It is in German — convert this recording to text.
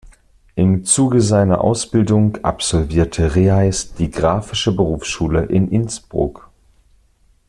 Im Zuge seiner Ausbildung absolvierte Reheis die Graphische Berufsschule in Innsbruck.